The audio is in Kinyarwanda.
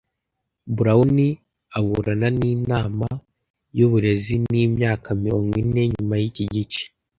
Brown aburana ninama yuburezi nimyaka mirongo ine nyuma yiki gice